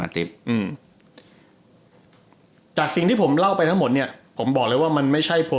อืมจากที่ผมเล่าไปทั้งหมดเนี่ยผมบอกเลยว่ามันไม่ใช่